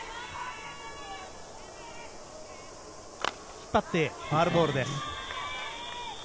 引っ張ってファウルボールです。